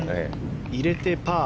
入れてパー。